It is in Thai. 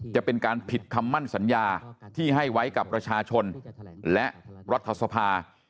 จะเป็นการผิดคำมั่นสัญญาที่ให้ไว้กับประชาชนและรัฐสภา